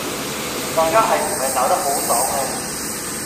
大家係唔係鬧得好爽呢？